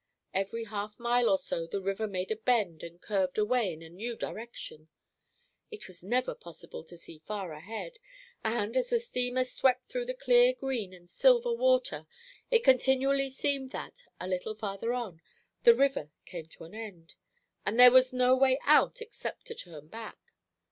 Every half mile or so the river made a bend and curved away in a new direction. It was never possible to see far ahead, and, as the steamer swept through the clear green and silver water, it continually seemed that, a little farther on, the river came to end, and there was no way out except to turn back.